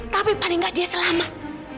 tapi paling nggak dia selamat